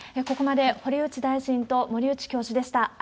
ここまで、堀内大臣と森内教授でした。